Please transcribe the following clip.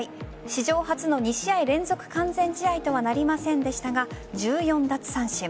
史上初の２試合連続完全試合とはなりませんでしたが１４奪三振。